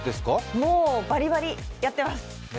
もうバリバリやってます。